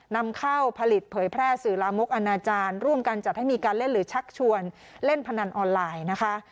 นำเข้าผลิตเผยแพร่สื่อลามกอนาจารย์ร่วมกันจัดให้มีการเล่นหรือชักชวนเล่นพนันออนไลน์นะคะ